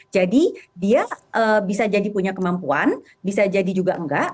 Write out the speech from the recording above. jadi dia bisa jadi punya kemampuan bisa jadi juga enggak